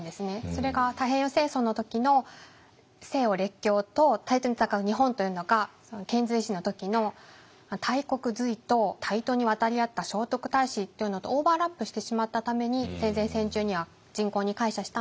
それが太平洋戦争の時の西洋列強と対等に戦う日本というのが遣隋使の時の大国隋と対等に渡り合った聖徳太子というのとオーバーラップしてしまったために戦前戦中には人口に膾炙したんですけども。